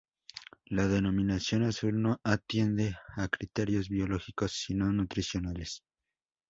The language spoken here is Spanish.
La denominación azul no atiende a criterios biológicos, sino nutricionales.